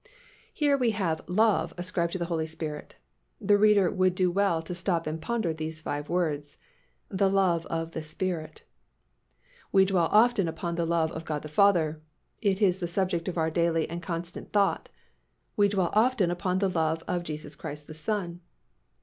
Here we have "love" ascribed to the Holy Spirit. The reader would do well to stop and ponder those five words, "the love of the Spirit." We dwell often upon the love of God the Father. It is the subject of our daily and constant thought. We dwell often upon the love of Jesus Christ the Son.